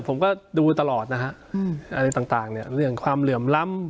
ผมก็ดูตลอดนะฮะอะไรต่างเนี่ยเรื่องความเหลื่อมล้ำ